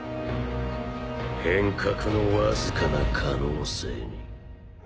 変革のわずかな可能性に。